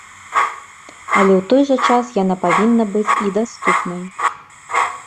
Але ў той жа час яна павінна быць і даступнай.